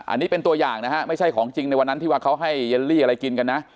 อันนี้เป็นตัวอย่างนะฮะไม่ใช่ของจริงในวันนั้นที่ว่าเขาให้เยลลี่อะไรกินกันนะ